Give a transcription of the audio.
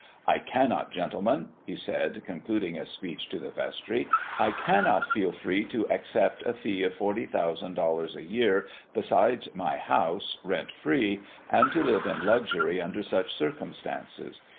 "I cannot, gentlemen," he said, concluding a speech to the vestry "I cannot feel free to accept a fee of forty thousand dollars a year, besides my house, rent free, and to live in luxury under such circumstances.